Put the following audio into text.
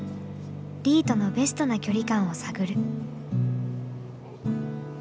リィとのベストな距離感を探る。